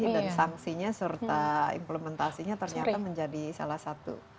dan sanksinya serta implementasinya ternyata menjadi salah satu